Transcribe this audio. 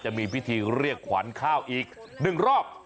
จะมีพิธีเรียกขวัญข้าวอีก๑รอบ